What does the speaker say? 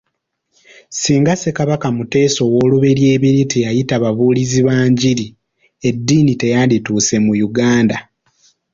Singa Ssekabaka Muteesa ow'oluberyeberye teyayita babuulizi ba njiri, eddiini teyandituuse mu Uganda.